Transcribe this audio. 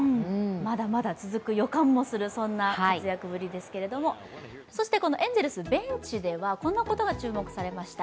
まだまだ続く予感もする、そんな活躍ぶりですけど、そしてエンゼルス、ベンチではこんなことが注目されました。